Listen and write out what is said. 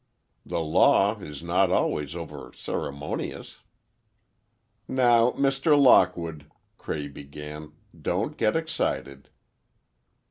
"The law is not always over ceremonious." "Now, Mr. Lockwood," Cray began, "don't get excited."